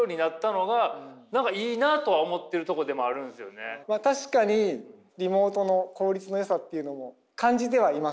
それが今ってまあ確かにリモートの効率のよさっていうのも感じてはいます。